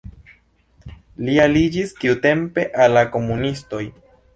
Li aliĝis tiutempe al la komunistoj.